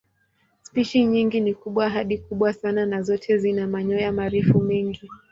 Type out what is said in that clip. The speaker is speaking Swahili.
Spishi nyingi ni kubwa hadi kubwa sana na zote zina manyoya marefu mengi.